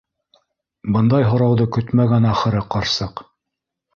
Бындай һорауҙы көтмәгән ахыры ҡарсыҡ.